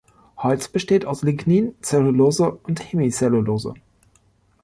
Holz besteht aus Lignin, Cellulose und Hemicellulose.